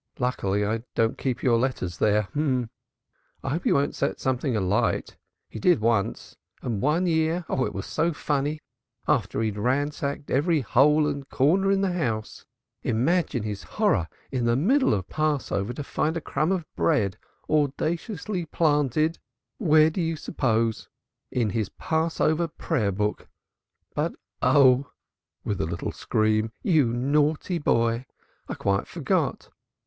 Luckily, I don't keep your letters there. I hope he won't set something alight he did once. And one year Oh, it was so funny! after he had ransacked every hole and corner of the house, imagine his horror, in the middle of Passover to find a crumb of bread audaciously planted where do you suppose? In his Passover prayer book!! But, oh!" with a little scream "you naughty boy! I quite forgot."